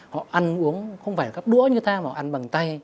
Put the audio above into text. họ ăn uống không phải là cắp đũa như ta mà họ ăn bằng tay